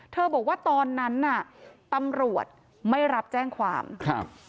บอกว่าตอนนั้นน่ะตำรวจไม่รับแจ้งความครับ